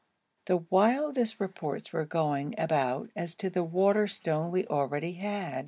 The wildest reports were going about as to the water stone we already had.